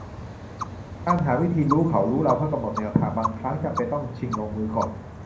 การหาวิธีรู้เขารู้เราเพื่อกำหนดแนวทางบางครั้งจำเป็นต้องชิงลงมือก่อน